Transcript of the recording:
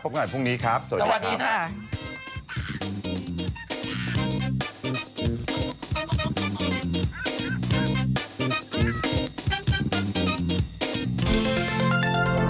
พบกันใหม่พรุ่งนี้ครับสวัสดีครับ